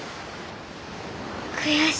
悔しい。